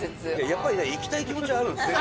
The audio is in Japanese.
やっぱりじゃあ行きたい気持ちはあるんですね。